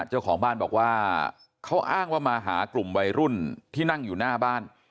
เจ้าของบ้านบอกว่าเขาอ้างว่ามาหากลุ่มวัยรุ่นที่นั่งอยู่หน้าบ้าน